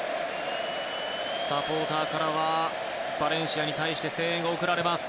サポーターからはバレンシアに対して声援が送られています。